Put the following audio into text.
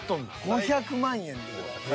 ５００万円で。